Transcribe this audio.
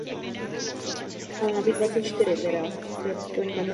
Jižní ohraničení státu tvoří Mexický záliv.